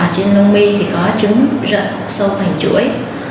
trên lông mi có trứng rợn sâu hoành chuỗi